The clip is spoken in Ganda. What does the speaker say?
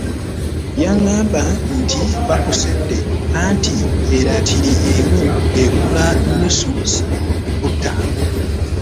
Yangamba nti bakusedde anti eratiri emu egula nnusu ssatu ku ataano.